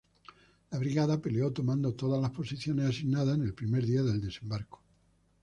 La brigada peleó tomando todas las posiciones asignadas en el primer día del desembarco.